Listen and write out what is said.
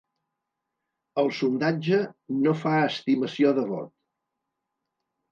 El sondatge no fa estimació de vot.